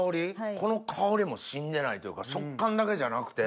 この香りも死んでないというか食感だけじゃなくて。